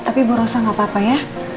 tapi bu rosa gak apa apa ya